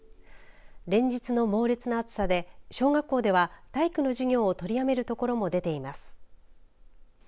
連日の猛烈な暑さで小学校では体育の授業を取りやめるところも出ています。